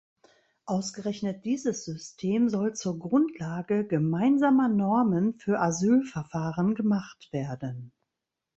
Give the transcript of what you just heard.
Ausgerechnet dieses System soll zur Grundlage "gemeinsamer Normen für Asylverfahren" gemacht werden.